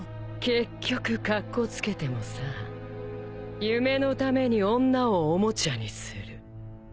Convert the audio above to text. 結局カッコつけてもさ夢のために女をおもちゃにする。